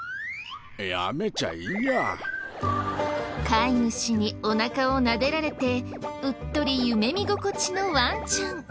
飼い主におなかをなでられてうっとり夢見心地のワンちゃん。